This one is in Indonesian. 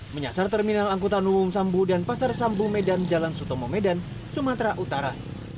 menyasar terminal angkutan umum sambu dan pasar sambu medan jalan sutomo medan sumatera utara